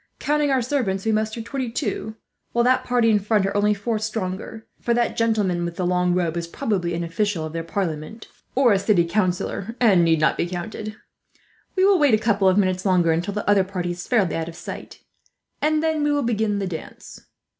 Counting our servants we muster twenty two, while that party in front are only four stronger; for that gentleman with the long robe is probably an official of their parliament, or a city councillor, and need not be counted. We will wait a couple of minutes longer, until the other party is fairly out of sight; and then we will begin the dance."